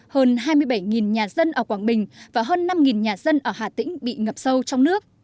hơn hai mươi bảy nhà dân ở quảng bình và hơn năm nhà dân ở hà tĩnh bị ngập sâu trong nước